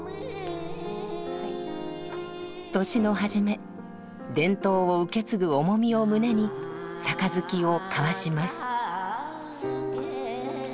年のはじめ伝統を受け継ぐ重みを胸に杯を交わします。